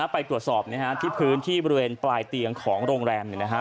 ไปตรวจสอบที่พื้นที่บริเวณปลายเตียงของโรงแรม